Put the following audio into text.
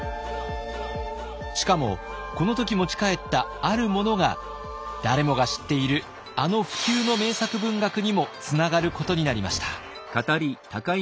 しかもこの時持ち帰ったあるものが誰もが知っているあの不朽の名作文学にもつながることになりました。